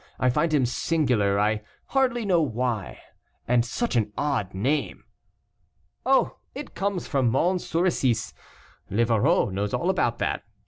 I find him singular, I hardly know why. And such an odd name." "Oh! it comes from Mons Soricis; Livarot knows all about that.